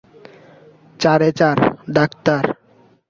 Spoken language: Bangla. চারে-চার, ডাক্তার।